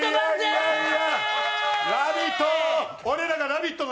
「ラヴィット！」